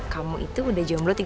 kamu itu udah jauh melu tiga tahun